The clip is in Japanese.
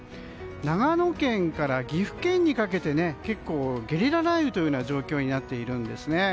長野県から岐阜県にかけてゲリラ雷雨という状況になっています。